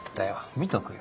見とくよ。